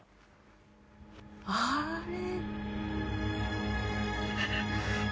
あれ？